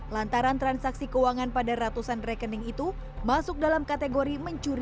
lantaran transaksi keuangan pada ratusan rekening itu masuk dalam kategori mencuri